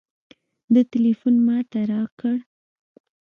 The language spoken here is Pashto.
ده ټېلفون ما ته راکړ.